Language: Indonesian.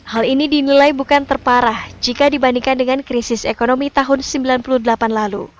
hal ini dinilai bukan terparah jika dibandingkan dengan krisis ekonomi tahun seribu sembilan ratus sembilan puluh delapan lalu